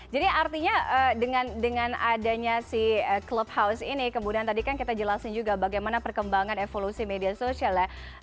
jadi artinya dengan adanya si clubhouse ini kemudian tadi kan kita jelasin juga bagaimana perkembangan evolusi media sosial ya